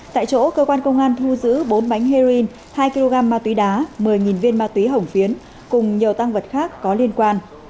tại chỗ cơ quan công an thu giữ bốn bánh heroin hai kg ma túy đá một mươi viên ma túy hồng phiến cùng nhiều tăng vật khác có liên quan